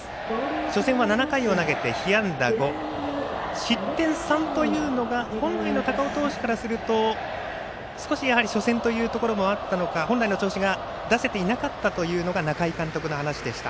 初戦は７回を投げて被安打５失点３というのが本来の高尾投手からいうと少し初戦ということもあったのか本来の調子が出せていなかったという中井監督の話でした。